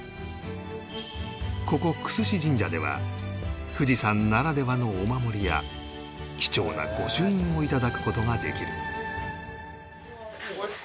ここ久須志神社では富士山ならではのお守りや貴重な御朱印をいただく事ができる